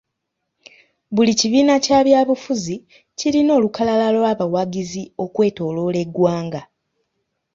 Buli kibiina kya byabufuzi kirina olukalala lw'abawagizi okwetooloola eggwanga.